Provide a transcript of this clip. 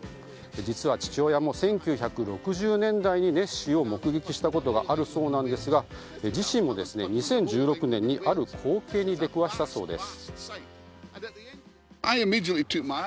実は、父親も１９６０年代にネッシーを目撃したことがあるそうなんですが自身も２０１６年にある光景に出くわしたそうです。